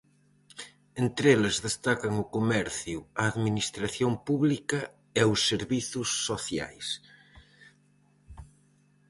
Entre eles destacan o comercio, a administración pública e os servizos sociais.